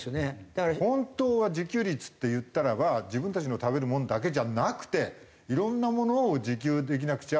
本当は自給率って言ったらば自分たちの食べるものだけじゃなくていろんなものを自給できなくちゃ。